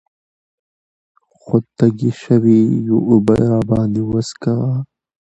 خو تږي شوي يو اوبۀ راباندې وڅښوه ـ